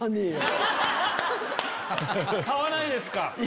買わないですか。